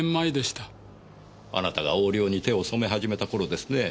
あなたが横領に手を染め始めた頃ですね。